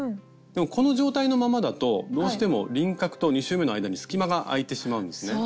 でもこの状態のままだとどうしても輪郭と２周めの間に隙間が空いてしまうんですね。